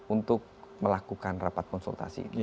untuk melakukan rapat konsultasi